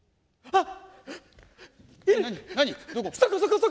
あっ！